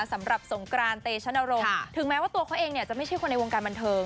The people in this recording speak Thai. สำหรับสงกรานเตชนรงค์ถึงแม้ว่าตัวเขาเองเนี่ยจะไม่ใช่คนในวงการบันเทิง